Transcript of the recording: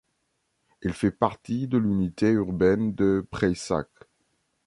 Elle fait partie de l'unité urbaine de Prayssac.